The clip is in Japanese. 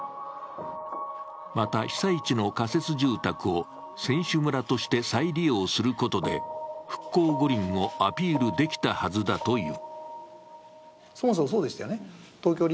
また、被災地の仮設住宅を選手村として再利用することで復興五輪をアピールできたはずだという。